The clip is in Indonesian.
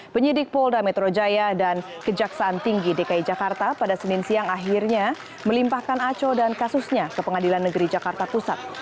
penyidik polda metro jaya dan kejaksaan tinggi dki jakarta pada senin siang akhirnya melimpahkan aco dan kasusnya ke pengadilan negeri jakarta pusat